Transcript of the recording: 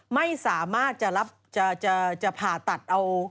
ไม่สามารถจะรับจะผ่าตัดเอา